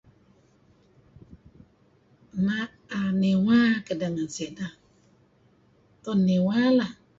Nga' [unintelligible] niwa kedeh ngen sineh. Tu'en niwa lah.